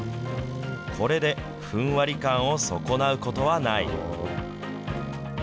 これでふんわり感を損なうことはない。